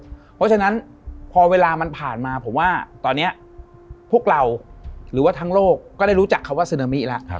เพราะฉะนั้นพอเวลามันผ่านมาผมว่าตอนนี้พวกเราหรือว่าทั้งโลกก็ได้รู้จักคำว่าซึนามิแล้ว